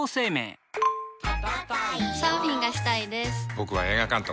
僕は映画監督。